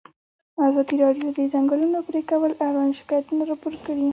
ازادي راډیو د د ځنګلونو پرېکول اړوند شکایتونه راپور کړي.